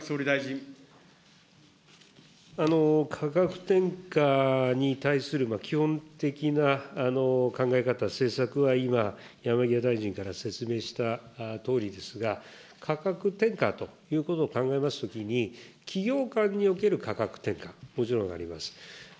価格転嫁に対する基本的な考え方、政策は今、山際大臣から説明したとおりですが、価格転嫁ということを考えますときに、企業間における価格転嫁、もちろんあります。